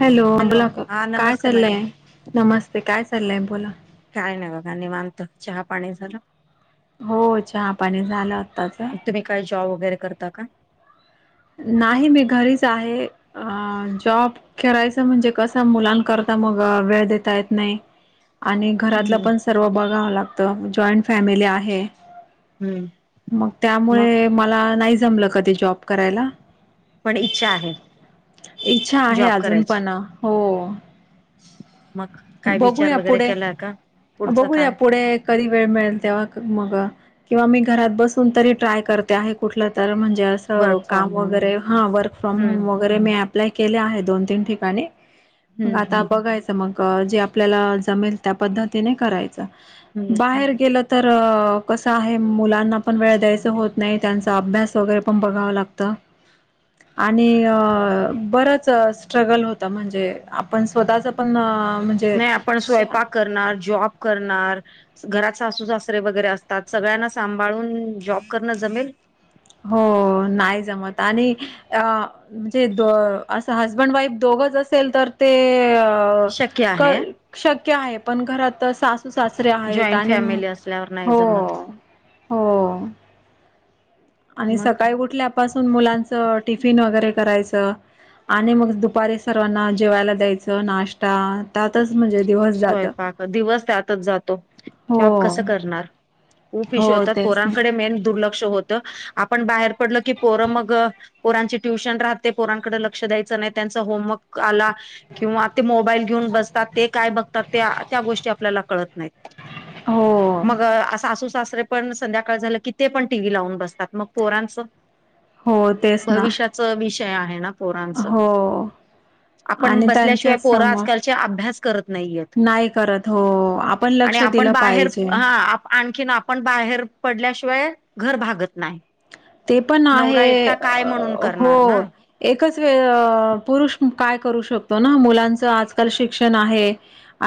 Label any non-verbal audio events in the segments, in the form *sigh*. Hello अ बोला हा काय नमस्ते मॅडम चाललंय नमस्ते काय चाललय बोला. काय नाही बघा निवांत चहा पाणी झालं? हो चहा पाणी झालं आताच. तुम्ही काही जॉब वगैरे करता का? नाही मी घरीच आहे अ जॉब करायचं म्हणजे कसं मुलांकरता मग वेळ देता येत नाही. आणि घरातलं हम्म पण सर्व बघावं लागतं जॉईंट फॅमिली आहे. हम्म मग मग त्यामुळे मला नाही जमलं कधी जॉब करायला. पण इच्छा आहे. इच्छा आहे जॉब अजून करायची पण हो. मग काय विचार बघूया वगैरे पुढे केलाय का पुढचं बघूया काय पुढे कधी वेळ मिळेल तेव्हा मग किंवा मी घरात बसून तरी ट्राय करते आहे कुठलं तर म्हणजे अस वर्क काम फ्रॉम होम वगैरे हा वर्क फ्रॉम हम्म होम वगैरे मी अप्लाय केले आहे दोन तीन ठिकाणी मग हम्म आता हम्म बघायचं मग जे आपल्याला जमेल त्या पद्धतीने कराय च हम्म बाहेर केलं तर कसं आहे मुलांना पण वेळ द्यायचं होत नाही त्यांचा अभ्यास वगैरे पण बघावं लागतं. आणि अ बरच स्ट्रगल होत म्हणजे आपण स्वतःच पण म्हणजे नाही आपण शा स्वयंपाक करणार, जॉब करणार घरात सासू सासरे वगैरे असतात सगळ्यांना सांभाळून जॉब करणं जमेल? हो नाही जमत आणि अ म्हणजे द असं हजबंड वाईफ दोघच असेल तर ते अ शक्य आहे कल शक्य आहे पण घरात सासू सासरे आहेत जॉईंट आणि फॅमिली असल्यावर नाही हो जमत हो आणि मग सकाळी उठल्यापासून मुलांचं टिफिन वगैरे करायचं. आणि मग दुपारी सर्वांना जेवायला द्यायचं नाश्ता त्याातच स्वयंपाक दिवस त्यातच जातो हो शॉब कसं करणार. खूप हो इश्यू होतात तेच ना पोरांकडे मेन दुर्लक्ष होतं आपण बाहेर पडल की पोर मग पोरांची ट्युशन राहते पोरांकडे लक्ष द्यायचं नाही त्यांचा होमवर्क आला किंवा ते मोबाईल घेऊन बसतात ते काय बघतात त्या त्या गोष्टी आपल्याला कळत नाहीत हो मग असा सासू सासरे पण संध्याकाळ झालं की ते पण टीव्ही लावून बसतात मग पोरांचं हो तेच ना भविष्याच विषय आहे ना पोरांच हो आपण आणि त्यांच्या बसल्याशिवाय पोर समोर आजकालची अभ्यास करत नाहीयेत नाही करत हो आपण आणि लक्ष आपण दिलं बाहेर पाहिजे हा हा आप आणखीन आपण बाहेर पडल्याशिवाय घर भागत नाही. ते पण आहे नवरा एकटा काय म्हणून हो. करणार ना एकच वे पुरुष काय करू शकतो ना मुलांचा च आजकाल शिक्षण आहे.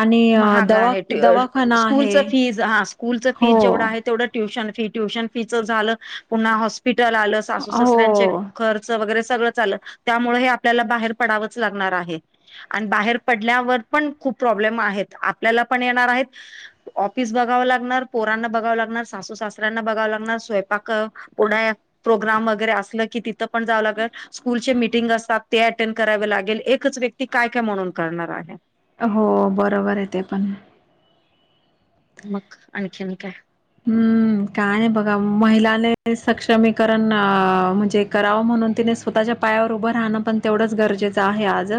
आणि अ, महाग दवा आहे दवाखाना स्कूलच आहे फीज हा स्कूलच हो फीज जेवढं आहे तेवढं ट्युशन फी ट्युशन फीच झालं पुन्हा हॉस्पिटल आलं सासू हो ससऱ्यांचे खर्च वगैरे सगळं चालं त्यामुळे हे आपल्याला बाहेर पडावंच लागणार आहे. आणि बाहेर पडल्यावर पण खूप प्रॉब्लेम आहेत आपल्याला पण येणार आहेत ऑफिस बघावं लागणार पोरांना बघावं लागणार सासू सासऱ्यांना बघावं लागणार स्वयंपाक पुढ प्रोग्राम वगैरे असलं की तिथं पण जावं लागेल. स्कूलचे मीटिंग असतात ते अटेंड करावे लागेल एकच व्यक्ती काय काय म्हणून करणार आहे. हो बरोबर आहे ते पण. मग आणखीन काय? हम्म. काय नाही बघा महिलाने सक्षमीकरण म्हणजे करावं म्हणून ति स्वतःच्या पायावर उभं राहणं पण तेवढंच गरजेचं आहे आज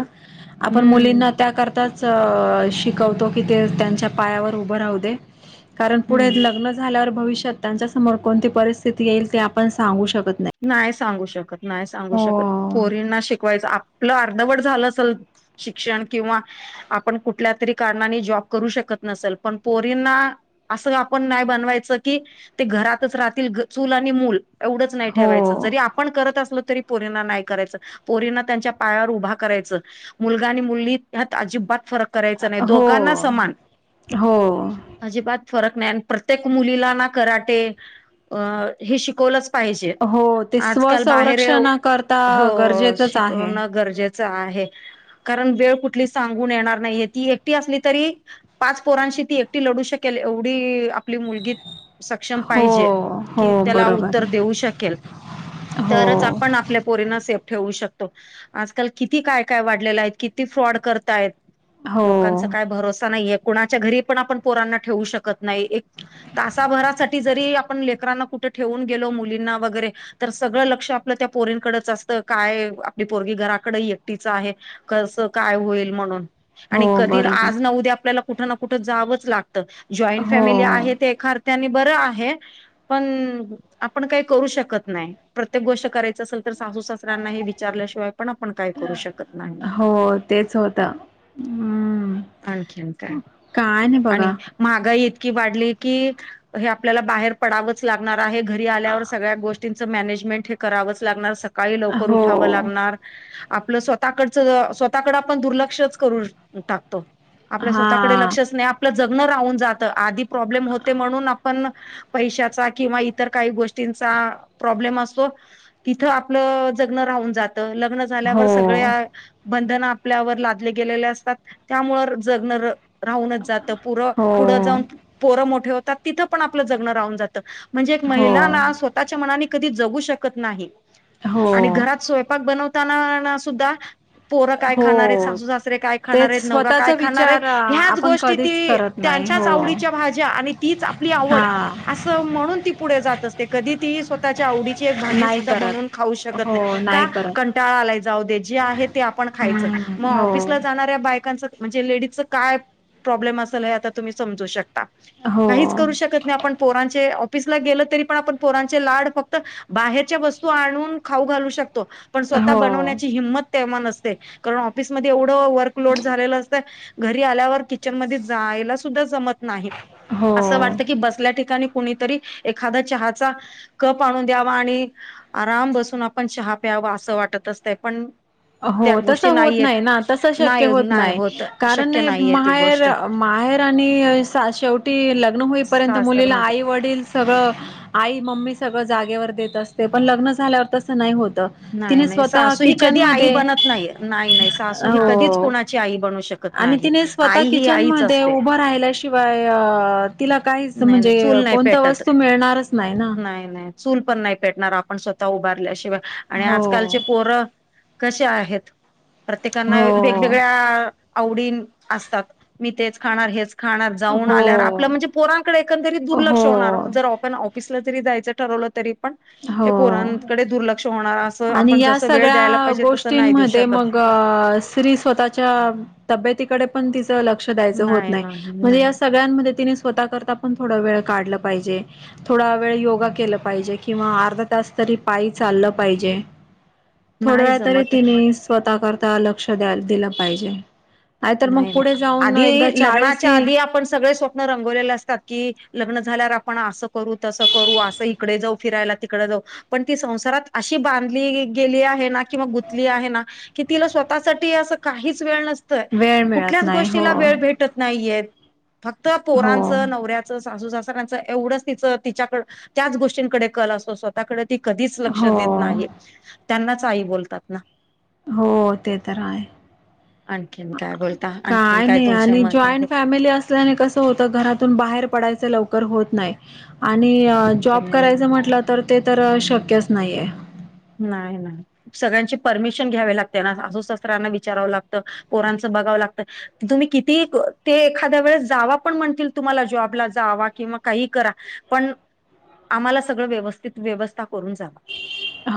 आपण हम्म मुलींना त्याकरता च शिकवतो की ते त्यांच्या पायावर उभं राहूदे कारण पुढे हम्म लग्न झाल्यावर भविष्यात त्यांच्या समोर कोणती परिस्थिती येईल ते आपण सांगू शकत नाही. नाही सांगू शकत नाही सांगू हो, शकत पोरींना शिकवायचं आपलं अर्धवट झालं असल शिक्षण किंवा आपण कुठल्या तरी कारणाने जॉब करू शकत नसेल पण पोरींना असं आपण नाही बनवायचं की ते घरातच राहतील चूल आणि मूल एवढंच हो, ठेवायच जरी आपण करत असल तरी पोरीना नाही करायचं पोरीना त्यांच्या पायावर उभा करायचं. मुलगा आणि मुलली ह्यात अजिबात फरक करायचा नाही दोघांना हो, समान. हो. अजिबात फरक नाही आणि प्रत्येक मुलीला ना कराटे अ हे शिकवलंच पाहिजे. हो ते आजकाल बाहेर स्वसंरक्षणा करता गरजेचच आहे. च आहे कारण वेळ कुठली सांगून येणार नाहीये ती एकटी असली तरी पाच पोरांशी ती एकटी लढू शकेल एवढी आपली मुलगी सक्षम हो, पाहिजे हो की त्याला बरोबर उत्तर आहे. देऊ शकेल. तरच हो. आपण आप आपल्या पोरीना सेफ ठेवू शकतो आजकाल किती काय काय वाढलेलं आहे किती फ्रॉड करताय. हो लोकांचा काय भरोसा नाहीये. कुणाच्या घरी पण आपण पोरांना ठेवू शकत नाही. एक तासाभरासाठी जरी आपण लेकरांना कुठे ठेवून गेलो मुलींना वगैरे तर सगळ लक्ष आपल त्या पोरींकडच असत. काय आपली पोरगी घराकडे एकटीच आहे. कस काय होईल म्हणून. हो आणि कधी बरोबर आज न उद्या आपल्याला कुठ ना कुठ जावच लागत. जॉईंट हो फॅमिली आहे ते एख त्यांनी बर आहे. पण आपण काही करू शकत नाही. प्रत्येक गोष्ट करायच असेल तर सासू सासऱ्यांना विचारल्याशिवाय पण आपण काय करू शकत नाही. हो तेच होत हम्म आणखीन काय? काय नाय आणि महागाई इतकी वाढली की, हे आपल्याला बाहेर पडाव लागणार आहे. घरी आल्यावर सगळ्याच गोष्टींच मॅनेजमेंट हे करावच लागणार. सकाळी लवकर हो उठाव लागणार. आपल स्वतःकडच स्वतःकड आपण दुर्लक्षच करून टाकतो. आपल हा स्वतःकडे लक्षच नाही. आपल जगण राहून जात. आधी प्रॉब्लेम होते म्हणून आपण पैशाचा किंवा इतर काही गोष्टींचा प्रॉब्लेम असतो. तिथ आपल जगन राहून जात. लग्न झाल्यावर हो सगळे बंधन आपल्यावर लादले गेलेले असतात. त्यामुळे जगन राहूनच जात. पुर हो पुढ जाऊन पोरं मोठे होतात. तिथ पण आपल जगण राहून जात. म्हणजे एक महिला हो ना स्वतःच्या मनाने कधी जगू शकत नाही. आणि हो घरात स्वयंपाक बनवताना ना सुद्धा पोरं काय खाणार आहेत. हो सासू सासरे काय खाणार तेच आहेत. नवरा स्वतःचा काय खाणार आहे. विचार अ, ह्याच आपण गोष्टी कधीच तेच करत नाही हो त्याच्याच आवडीच्या भाज्या आणि तीच आपली आवड हा अस म्हणून ती पुढे जात असते. कधी ती स्वतःच्या आवडीची एक भाजी नाही सुद्धा बनवून खाऊ करत शकत हो नाही. का? करत कंटाळा आलाय जाऊ दे, जे आहे ते आपण खायच. हम्म मग हो ऑफिसला जाणाऱ्या बायकांच म्हणजे लेडीजचा काय प्रॉब्लेम असेल हे आता तुम्ही समजू शकता. हा हो काहीच करू शकत नाही आपण पोरांचे ऑफिसला गेल तरी पण आपण पोरांचे लाड फक्त बाहेरच्या वस्तू आणून खाऊ घालू शकतो. पण स्वतः हो बनवण्याची हिंमत तेव्हा नसते. कारण ऑफिसमध्येध्ये एवढ वर्कलोड झालेल असत. घरी आल्यावर किचनमध्येध्ये जायला सुद्धा जमत नाही. अस हो वाटत की, बसल्या ठिकाणी कुणीतरी एखादा चहाचा कप आणून द्यावा. आणि आराम बसून आपण चहा प्यावा अस वाटत असतय. पण त्या हो तस गोष्टी होत नाहीयेत नाही ना. तस शक्य होत नाही. कारण शक्य नाहीये ती माहेर गोष्ट माहेर आणि सा शेवटी लग्न होईपर्यंत सासर मुलीला म्हणत आई वडील सगळ आई मम्मी सगळ जागेवर देत असते. पण लग्न झाल्यावर तस नाही होत. तिने स्वतः किचन म त, बनत नाही. नाही नाही सासू ही कधीच कुणाची आई बनू शकत आणि नाही तिने स्वतः आई ही किचन आईच मध्ये असते उभं राहिल्याशि शिवाय अ तिला काहीच नाही नाही म्हणजे चूल नाही कोणत पेटत. वस्तू मिळणारच नाही ना. चूल पण नाही पेटणार आपण स्वतः उभारल्याशिवाय. आणि हो आजकालचे पोर कसे आहेत. प्रत्येकांना हो वेगवेगळ्या आवडीन असतात. मी तेच खाणार. हेच खाणार. जाऊन आल्यावर हो आपल म्हणजे पोरांकडे एकंदरी हो दुर्लक्ष होणार. जर आपण ऑफिसला जरी जायच ठरवल तरी हो पोरांकडे दुर्लक्ष होणार. अस आपण जस वेळ द्यायला पाहिजे तस तींमध्ये मग स्री स्वतःच्या तब्येतीकडे पण तिज. त लक्ष द्याचं होत नाही नाय नाही म्हणेज नाही या. सगळ्यांमध्ये मदतीने स्वतः करता पण थोडा वेळ काढ पाहिजे थोडा वेळ योगा के पाहिजे. किंवा अर्धा तास तरी पायी चाललं पाहिजे थोड नाही वेळ तरी जमत तिने स''--'' स्वतः करता लक्ष द्या दिलं पाहिजे. नाहीतर मग नाही पुढे नाही जाऊन एकदा आधी लग्नाच्या चाळीसही आधी आपण सगळे स्वप ''--'' रंगवलेलं असतात की लग्न झाल्यावर आपण असं करू तसं करू असं इकडे जाऊ फिरायला तिकडे जाऊ. पण ती संसारात अशी बांधली गेली आहे ना किंवा गुंतली आहे ना. कि तिला स्वतःसाठी असं काहीच वेळ नसत. तर वेळ मिळत कुठल्याच नाही हो. गोष्टीला वेळ भेटत नाहीयेत फक्त हो, पोरांच नवऱ्याच. चं सासू सासऱ्याचं येवडंच तीच तीच्या त्याचं गोटीन कडे कल असतो स्वतः. त्याकडे ती कधीच लक्ष हो, देत नाही त्यांनाच आई बोलतात ना. हो ते तर आहे. आणखीन आ काय बोलता आणखीन काय नाही तुमचे आणि मत आहेत जॉईंट फॅमिली अस. त्याने कस होत घरातून बाहेर पडायच लवकर होत नाही. आणि शक्य जॉब नाहीये करायचं म्हटलं तर ते तर शक्यच नाहीे. नाही ना. सगळ्यांची परमिशन घ्यावे लागते ना सासू सासऱ्यांना विचारावं लागतं पोरांचं बघावं लागतं. तुम्ही किती ते एखाद्या वेळेस जावा पण म्हणतील तुम्हाला जॉबला जावा किंवा काहीही करा. पण आम्हाला सगळं व्यवस्थित व्यवस्था करून जावा.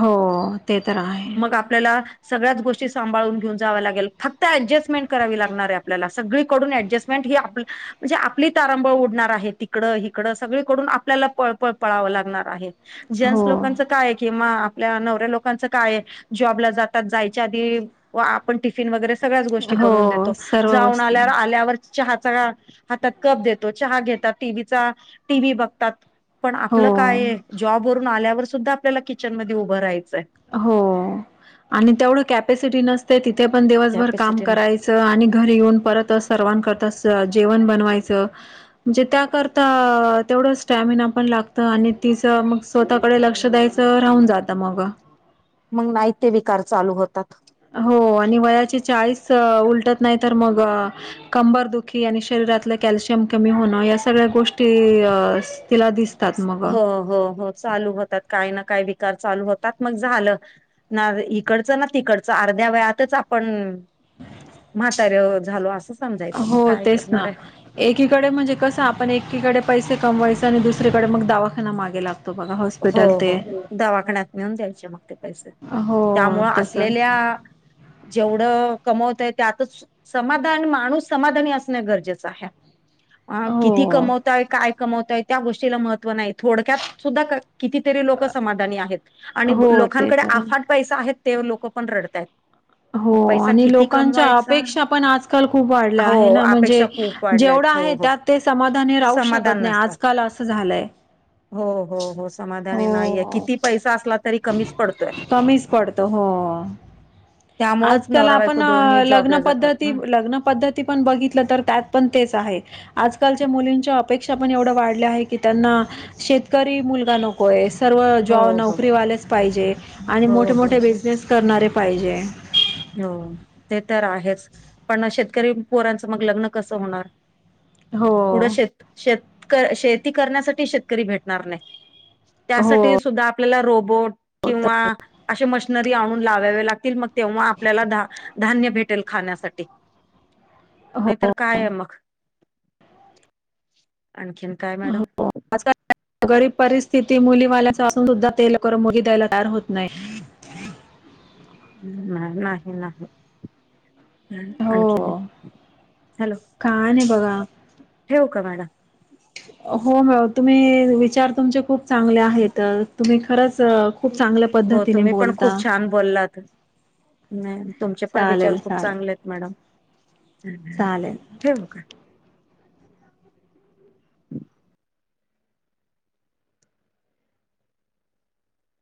हो ओ ते तर आहे. मग आपल्याला. सगळ्याच गोष्टी सांभळून घेऊन जाव्या लागेल फक्त ऍडजस्टमेंट करावी लागणार आपल्याला सगळीकडून ऍडजस्ट. मेंट ही आपल. म्हणजे आपली तारांबळ उडणार आहे. तिकडं हिकडं सगळीकडून आपल्याला पळपळ पळावं लागणार आहे. जेन्टस हो, लोकांचं काय. आपल्या नवऱ्या लोकांच काय जॉबला जातात जायच्या आधी व आप ''--'' आपण टिफिन वगैरे सगळ्याच गोष्टी बनवून हो, देतो. सर्व जाऊन वस्तू दे आल्यावर आल्यावर. चहाचा हातात कप देतो चहा घेतात टिव्ही चा टीव्ही बघतात. पण हो, आपलं काय जॉबवरून आल्यावर सुद्धा आपल्याला किचन मध्ये उभं राहायचंय. हो आणि तेवढं कॅपेसिटी नसते तिथे पण दिवसभर काम कॅपॅसिटी करायचं. च आणि घरी येऊन परत सर्वांकरता स जेवण बनवायचं. जीत त्याकरता तेवढं स्टॅमिना पण लागतं आणि तिचं मग. स्वतःकडे लक्ष द्यायचं राहून जातं मग. मग नाही ते विकार चालू होतात. हो आणि वयाची चाळीस उलटत नाही तर मग. कंबर दुखी आणि शरीरातलं कॅल्शियम कमी होणं या सगळ्या गोष्टी अ. तिला दिसतात मग हो हो हो, चालू होतात काय ना काय विकार चालू होतात मग झालं. ना इकडचं ना तिकडचं अर्ध्या वेळतच आपण. म्हातार झालो असं समजायचं मग हो काय तेच करणार ना आहे. एकीकडे म्हणजे कसं आपण एकीकडे पैसे कमवायचे आणि दुसरीकडे मग दवाखाना मागे लागतो. त बघा हॉस्पिटल हो ते हो दवाखान्यात नेऊन द्यायचे मग ते पैसे हो त्यामुळं तस. ह *inaudible* असलेल्या जेवढं कमवत आहे त्यात समाधान माणूस समाधानी असण गरजेचं आहे. अ किती हो कमवताय काय कमवताय त्या गोष्टीला महत्त्व नाही थोडक्यात सुद्धा कर. कितीतरी लोक समाधानी आहेत आणि हो ते लोकांकडे तर आहे. आफाट पैसा आहेत ते लोक पण रडत आहेत. हो आणि लोकांच्या अपेक्षा पण आजकाल खूप वाढल्या हो आहे ना अपेक्षा म्हणजे खूप वाढल्यात जेवढा हो आहे हो त्यात ते समाधानी राहू समाधान शकत नाही नसतात आजकाल असं झालंय. हो हो हो समाधानी नाहीये हो किती पैसा असला तरी कमीच पडतोय कमीच पडत हो. त्यामुळेच आजकाल नवरा आपण बायको दोन्ही लग्न जॉबला जातात पद्धती ना लग्न पद्ती ती पण बघितलं तर त्यात पण तेच आहे. आजकालच्या मुलींच्या अपेक्षा पण एवढ्या वाढल्या आहे की त्यांना शेतकरी मुलगा नको. होय सर्व हो जॉब हो नोकरीवालेच पाहिजे आणि हो मोठे हो मोठे हो बिझनेस करणारे पाहिजे. हो ते तर आहेच पण शेतकरी पोरांचं मग लग्न कसं होणार? हो पुढं शेत शेत शेती करण्यासाठी शेतकरी भेटणार नाही. हो त्यासाठी सुद्धा आपल्याला रोबोट हो किंवा अशे मशनरी आणून लावावे लागतील मग तेव्हा आपल्याला धा धान्य भेटेल खाण्यासाठी नाहीतर काय आहे मग आणखीन काय मॅडम. हो आजकाल गरीब परिस्थिती मुलीवाल्याच असून सुद्धा तेल करून मुली द्यायला तयार होत नाही. नाही नाही नाही. हो आणखीन का नाही बघा. ठेव का मॅडम? हो ह तुम्ही विचार तुमचे खूप चांगले आहेत तुम्ही खरंच खूप चांगलं हो तुम्ही पण खूप छान बोललात तुमचे पण विचार चालेल खूप चालेल चांगलेत. मॅडम चालेल ठेव का?